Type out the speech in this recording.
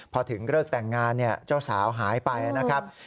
พอถึงเลิกแต่งงานเจ้าสาวหายไปนะครับ